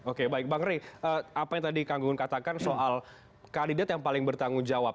oke baik bang rey apa yang tadi kang gunggun katakan soal kandidat yang paling bertanggung jawab